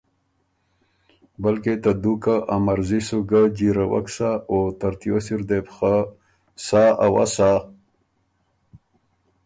بلکې ته دُوکه ا مرضی سو ګۀ جیرَوَک سَۀ، او ترتیوس اِر دې بو خه سا اوسا